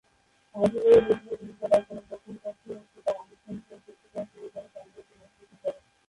Artillery দুপুরে গুলি চালায়, কোন পক্ষ আনুষ্ঠানিকভাবে শত্রুতা শুরু করে তা নিয়ে দ্বিমত পোষণ করে।